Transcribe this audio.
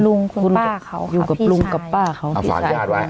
ลุงคุณป้าเขาอยู่กับลุงกับป้าเขาฝากญาติไว้